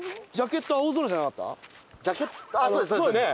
そうだよね！